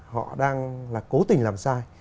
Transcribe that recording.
họ đang là cố tình làm sai